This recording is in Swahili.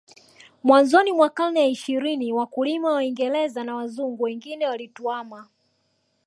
Mwanzoni mwa karne ya ishirini wakulima Waingereza na Wazungu wengine walituama